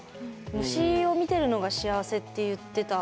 「虫を見てるのが幸せ」って言ってた。